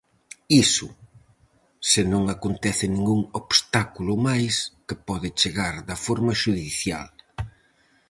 Iso, se non acontece ningún obstáculo máis, que pode chegar de forma xudicial.